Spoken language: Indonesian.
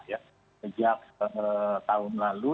sejak tahun lalu